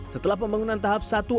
setelah pembangunan tahap satu